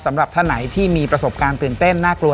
สำหรับท่านไหนที่มีประสบการณ์ตื่นเต้นน่ากลัว